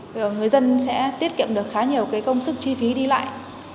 thì người dân sẽ tiết kiệm được khá nhiều công sức chi phí đi lại